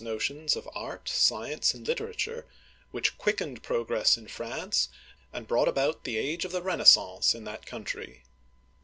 (1547 1559) 249 notions of art, science, and literature, which quickened progress in France, and brought about the Age of the Renaissance in that country.